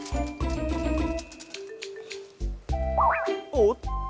おっと！